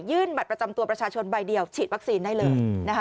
บัตรประจำตัวประชาชนใบเดียวฉีดวัคซีนได้เลยนะคะ